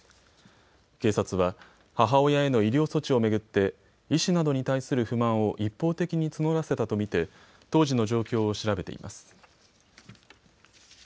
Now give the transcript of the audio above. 警察は母親への医療措置を巡って医師などに対する不満を一方的に募らせたと見て当時の状況を調べています。